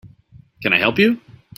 Can I help you?